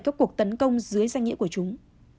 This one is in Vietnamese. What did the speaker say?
các cuộc tấn công dưới danh nghĩa của chúng